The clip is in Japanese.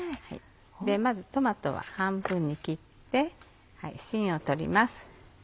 まずトマトは半分に切って芯を取ります。